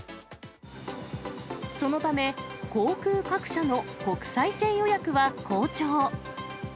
そのため、航空各社の国際線予約は好調。